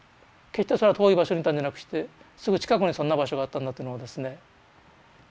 決してそれは遠い場所にいたんじゃなくしてすぐ近くにそんな場所があったんだっていうのがですね。